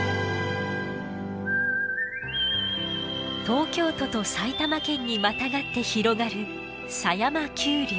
東京都と埼玉県にまたがって広がる狭山丘陵。